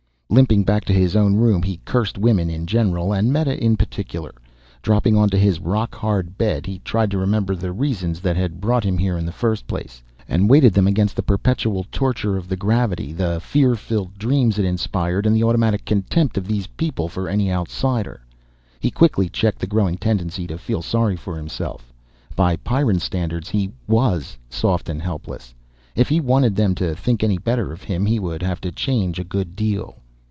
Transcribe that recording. Limping back to his own room he cursed women in general and Meta in particular. Dropping onto his rock hard bed he tried to remember the reasons that had brought him here in the first place. And weighed them against the perpetual torture of the gravity, the fear filled dreams it inspired, the automatic contempt of these people for any outsider. He quickly checked the growing tendency to feel sorry for himself. By Pyrran standards he was soft and helpless. If he wanted them to think any better of him, he would have to change a good deal.